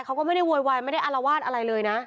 เขาก็ไม่ได้โวยวายไม่ได้อารวาสอะไรเลยนะ